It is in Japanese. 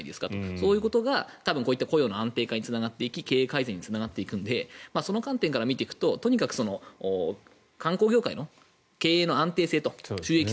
そういったことが雇用の安定化につながっていき経営改善につながっていくのでその観点から見ると観光業界の意経営の安定性と収益性